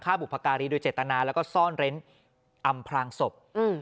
บุพการีโดยเจตนาแล้วก็ซ่อนเร้นอำพลางศพ